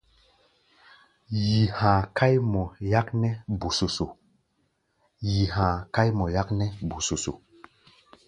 Yi ha̧a̧ káí mɔ yáknɛ́ bósósó.